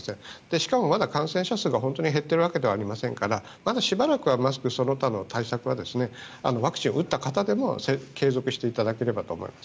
しかもまだ感染者数が本当に減っているわけではありませんからまだしばらくはマスクその他の対策はワクチンを打った方でも継続していただければと思います。